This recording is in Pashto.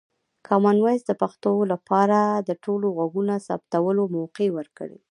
کامن وایس د پښتو لپاره د ټولو غږونو ثبتولو موقع ورکوي.